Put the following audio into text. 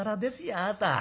あなた。